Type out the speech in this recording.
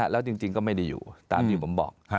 แล้วจริงก็ไม่ได้อยู่ตามที่ผมบอก